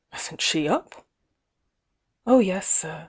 Isn't she up?" Uh, yes, sir.